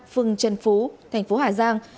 ba phường trần phú tp hà giang